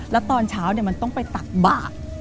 แล้วตอนเช้ามันต้องไปตักบาท